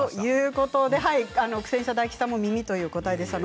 苦戦した大吉さんも耳という答えでした。